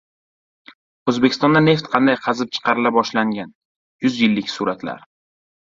O‘zbekistonda neft qanday qazib chiqarila boshlangan? Yuz yillik suratlar